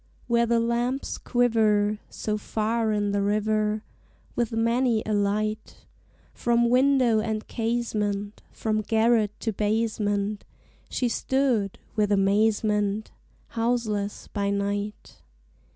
Where the lamps quiver So far in the river, With many a light From window and casement, From garret to basement, She stood, with amazement, Houseless by night.